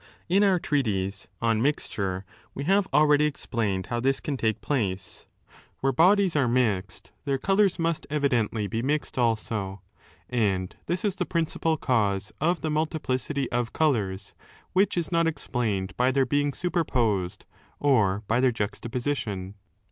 In our treatise On Miature we have already explained how this can take place. Where bodies are 21 mixed their colours must evidently be mixed also, and this is the principal cause of the multiplicity of colours, which is not explained by their being super posed or by their juxtaposition.